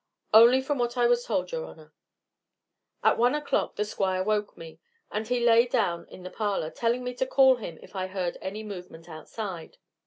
"Only from what I was told, your honor. At one o'clock the Squire woke me, and he lay down in the parlor, telling me to call him if I heard any movement outside.